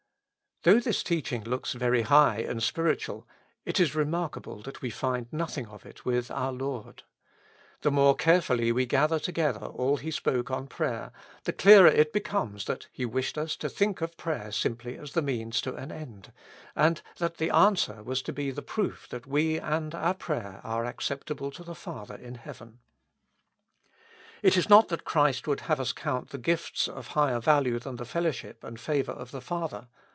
Though this teaching looks very high and spiritual, it is remarka ble that we find nothing of it with our Lord. The more carefully we gather together all He spoke on prayer, the clearer it becomes that He wished us to 172 With Christ in the School of Prayer. think of prayer simply as the means to an end, and that tlie answer was to be the proof that we and our prayer are acceptable to the Father in heaven. It is not that Christ would have us count the gifts of higher value than the fellowship and favor of the Father.